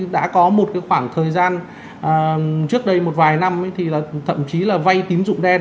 đã có một khoảng thời gian trước đây một vài năm thì thậm chí là vay tín dụng đen